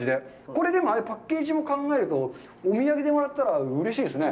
これ、パッケージを考えるとお土産でもらったらうれしいですね。